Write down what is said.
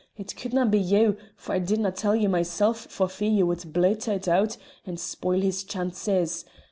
It couldna' be you, for I didna' tell ye mysel' for fear ye wad bluitter it oot and spoil his chances.